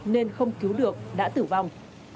nên không cứu được đã tử vong